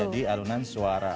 itu jadi alunan suara